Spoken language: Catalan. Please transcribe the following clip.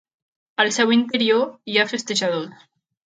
Al seu interior hi ha festejadors.